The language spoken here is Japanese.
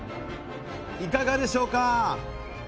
いかがでしょうか？